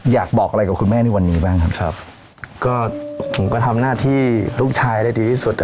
อยากบอกอะไรกับคุณแม่ในวันนี้บ้างครับครับก็ผมก็ทำหน้าที่ลูกชายได้ดีที่สุด